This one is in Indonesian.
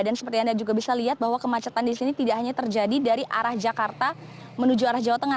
dan seperti anda juga bisa lihat bahwa kemacetan di sini tidak hanya terjadi dari arah jakarta menuju arah jawa tengah